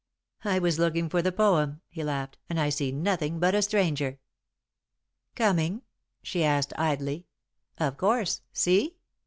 "I was looking for the poem," he laughed, "and I see nothing but a stranger." "Coming?" she asked, idly. "Of course. See?"